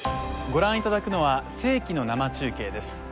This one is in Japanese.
ご覧いただくのは世紀の生中継です